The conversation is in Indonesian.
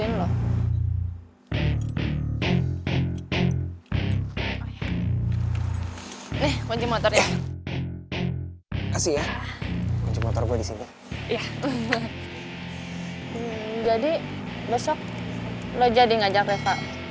ini loh nih kunci motor ya kasih ya cuma terbuat disini jadi besok lo jadi ngajak